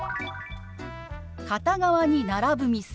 「片側に並ぶ店」。